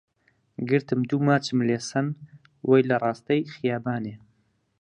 گرتم دوو ماچم لێ سەند وەی لە ڕاستەی خیابانێ